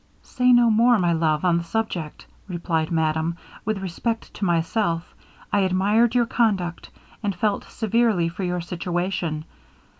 'Say no more, my love, on the subject,' replied madame; 'with respect to myself, I admired your conduct, and felt severely for your situation.